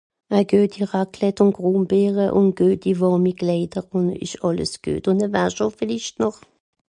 a geuti raclette un grumbeere un geuti wàrmi kleider un'o esch àlles geut un a vin chaud viellicht noch